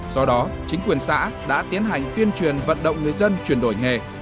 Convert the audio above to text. do đó chính quyền xã đã tiến hành tuyên truyền vận động người dân chuyển đổi nghề